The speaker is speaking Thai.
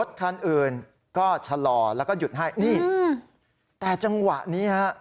แต่ก็ค่อนข้างเท่านั้น